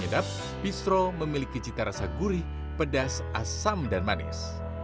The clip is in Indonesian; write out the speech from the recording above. dengan masak goreng dan makanan nyedap bistro memiliki cita rasa gurih pedas asam dan manis